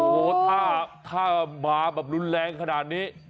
โอ้โหถ้ามาแบบรุนแรงขนาดนี้